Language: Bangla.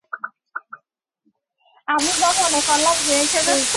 সে আমার সাথেও একই অভিনয় করতো।